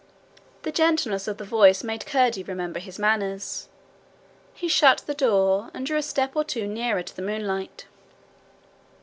The gentleness of the voice made Curdie remember his manners. He shut the door, and drew a step or two nearer to the moonlight.